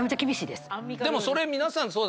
でもそれ皆さん